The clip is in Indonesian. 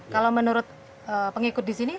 kalau menurut pengikut di sini